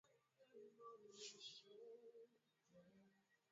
kuandaa viazi lishe